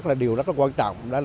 đó là điều rất là quan trọng